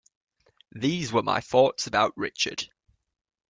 These were my thoughts about Richard.